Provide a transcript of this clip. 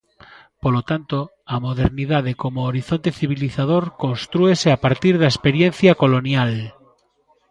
Polo tanto, a modernidade como horizonte civilizador constrúese a partir da experiencia colonial.